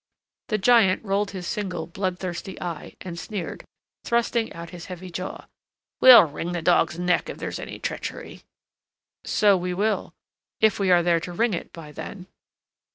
The giant rolled his single bloodthirsty eye, and sneered, thrusting out his heavy jaw. "We'll wring the dog's neck if there's any treachery." "So we will if we are there to wring it by then."